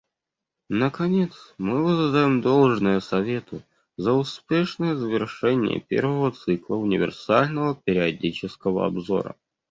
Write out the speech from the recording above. Наконец, мы воздаем должное Совету за успешное завершение первого цикла универсального периодического обзора.